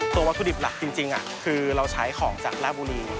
วัตถุดิบหลักจริงคือเราใช้ของจากลาบบุรี